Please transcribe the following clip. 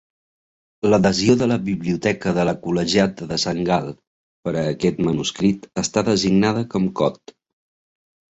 L'Adhesió de la Biblioteca de la Col·legiata de Sant Gal per a aquest manuscrit està designada com Cod.